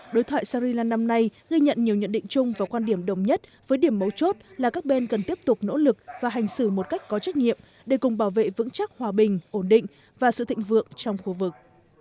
đối thoại shari lan năm nay ghi nhận nhiều nhận định chung và quan điểm đồng nhất với điểm mấu chốt là các bên cần tiếp tục nỗ lực và hành xử một cách có trách nhiệm để cùng bảo vệ vững chắc hòa bình ổn định và sự thịnh vượng trong khu vực